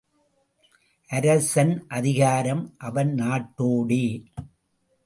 அரசன் அதிகாரம் அவன் நாட்டோடே.